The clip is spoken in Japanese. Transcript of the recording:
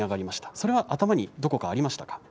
それは頭にどこかありましたか。